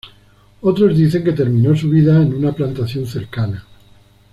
Otros dicen que terminó su vida en una plantación cercana.